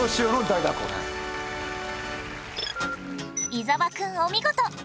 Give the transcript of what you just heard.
伊沢くんお見事！